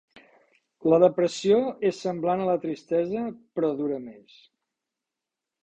La depressió és semblant a la tristesa però dura més.